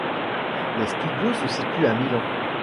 Les studios se situent à Milan.